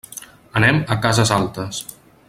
Anem a Casas Altas.